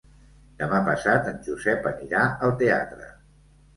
Demà passat en Josep anirà al teatre.